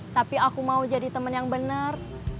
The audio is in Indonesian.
tapi aku mau jadi teman yang benar